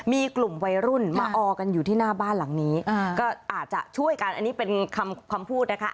มีกลุ่มวัยรุ่นมาออกันอยู่ที่หน้าบ้านหลังนี้ก็อาจจะช่วยกันอันนี้เป็นคำคำพูดนะคะ